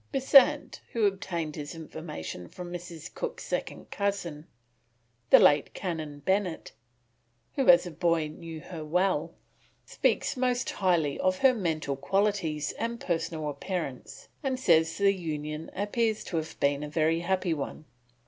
Besant, who obtained his information from Mrs. Cook's second cousin, the late Canon Bennett, who as a boy knew her well, speaks most highly of her mental qualities and personal appearance, and says the union appears to have been a very happy one.